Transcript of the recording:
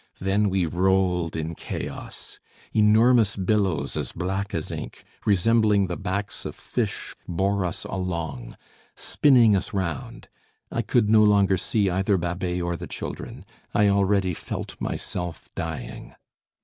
Then we rolled in chaos. Enormous billows as black as ink, resembling the backs of fish, bore us along, spinning us round. I could no longer see either Babet or the children. I already felt myself dying.